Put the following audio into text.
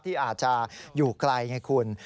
ที่อาจจะอยู่ไกลไงคุณ